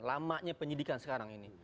lamanya penyidikan sekarang ini